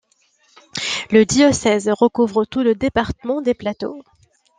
Le diocèse recouvre tout le département des Plateaux.